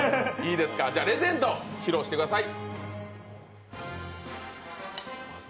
レジェンド、披露してください。